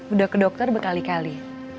udah ke dokter berkali kali